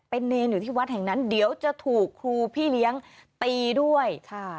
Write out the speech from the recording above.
เป็นเนรอยู่ที่วัดแห่งนั้นเดี๋ยวจะถูกครูพี่เลี้ยงตีด้วยค่ะ